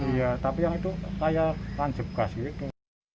iya tapi yang itu kayak lanjut gas gitu